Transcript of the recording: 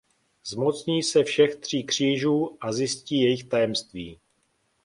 Zmocní se všech tří křížů a zjistí jejich tajemství.